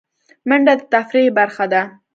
منډه د تفریح برخه ده